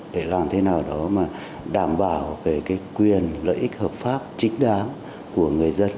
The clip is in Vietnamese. để làm thế nào đó mà đảm bảo quyền lợi ích hợp pháp chính đáng của người dân